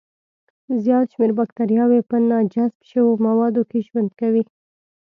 زیات شمېر بکتریاوي په ناجذب شوو موادو کې ژوند کوي.